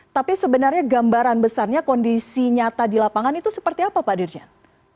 tapi sebenarnya gambaran besarnya kondisi nyata di lapangan itu seperti apa pak dirjen